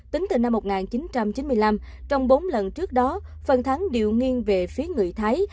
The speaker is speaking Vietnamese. tính từ năm một nghìn chín trăm chín mươi năm trong bốn lần trước đó phần thắng điều nghiên về phía người thái